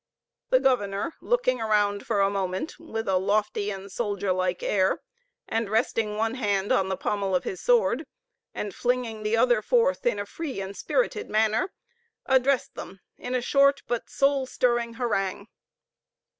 The governor, looking around for a moment with a lofty and soldier like air, and resting one hand on the pommel of his sword, and flinging the other forth in a free and spirited manner, addressed them in a short but soul stirring harangue.